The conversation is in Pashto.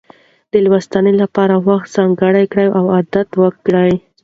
د لوستنې لپاره وخت ځانګړی کړئ او عادت وکړئ.